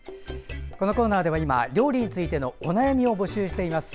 このコーナーでは今料理についてのお悩みを募集しています。